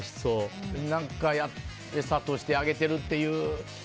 何か餌としてあげてるっていう。